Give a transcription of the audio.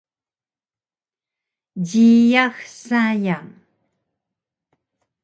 Jiyax sayang